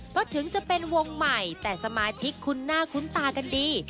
ก็ถึงจะเป็นวงใหม่แต่สมาชิกคุ้นหน้าคุ้นตากันดี